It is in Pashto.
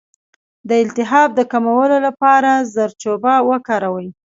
د التهاب د کمولو لپاره زردچوبه وکاروئ